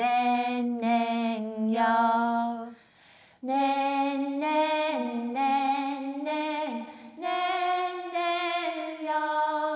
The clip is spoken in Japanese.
「ねんねんねんねんねんねんよー」